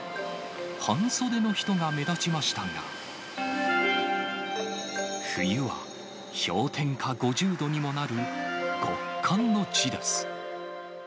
半袖の人が目立ちましたが、冬は氷点下５０度にもなる極寒の地です。